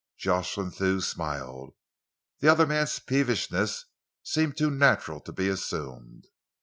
Jocelyn Thew smiled. The other man's peevishness seemed too natural to be assumed.